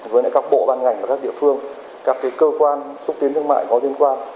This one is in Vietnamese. với các bộ ban ngành và các địa phương các cơ quan xúc tiến thương mại có liên quan